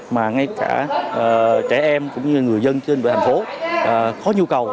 mà ngay cả trẻ em cũng như người dân trên thành phố có nhu cầu